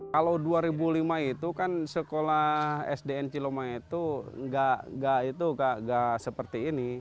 kalau dua ribu lima itu kan sekolah sdn ciloma itu nggak seperti ini